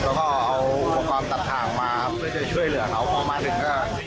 แล้วก็เอาอุปกรณ์ตัดถ่างมาเพื่อจะช่วยเหลือเขาประมาณนึงครับ